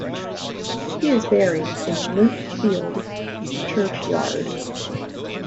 He is buried in Limpsfield churchyard.